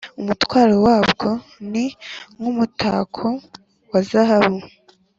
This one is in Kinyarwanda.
, umutwaro wabwo ni nk’umutako wa zahabu,